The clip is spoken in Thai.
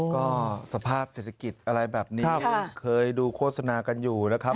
ก็สภาพเศรษฐกิจอะไรแบบนี้เคยดูโฆษณากันอยู่นะครับ